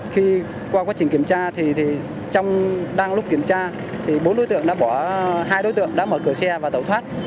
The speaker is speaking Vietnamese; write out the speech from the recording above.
khi qua quá trình kiểm tra thì trong đang lúc kiểm tra thì bốn đối tượng đã bỏ hai đối tượng đã mở cửa xe và tẩu thoát